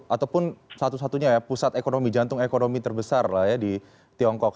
ataupun satu satunya ya pusat ekonomi jantung ekonomi terbesar lah ya di tiongkok